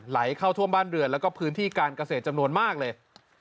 ไหลเข้าท่วมบ้านเรือนแล้วก็พื้นที่การเกษตรจำนวนมากเลย